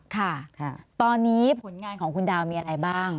ค่ะตอนนี้ผลงานของคุณดาวมีอะไรบ้าง